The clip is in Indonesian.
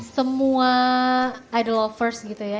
semua idol lovers gitu ya